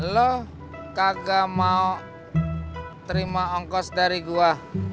lo kagak mau terima ongkos dari gua